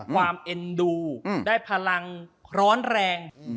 เอ็นดูได้พลังร้อนแรง